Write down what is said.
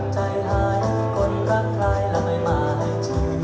ใจหายคนรักคลายและไม่มาให้ชิม